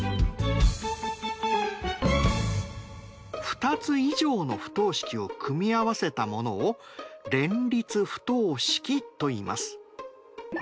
２つ以上の不等式を組み合わせたものを連立不等式といいます。